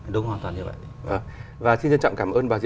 đúng hoàn toàn như vậy